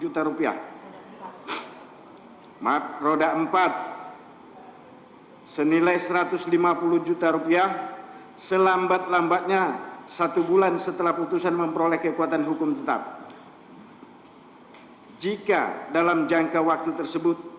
tiga menjatuhkan pidana kepada terdakwa dua subiharto